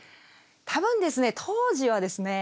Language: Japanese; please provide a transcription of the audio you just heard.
多分ですね当時はですね